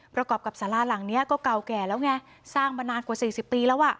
ประกอบกับสาราหลังนี้ก็เก่าแก่แล้วไงสร้างมานานกว่า๔๐ปีแล้วอ่ะ